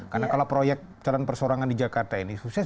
karena kalau proyek calon persorangan di jakarta ini sukses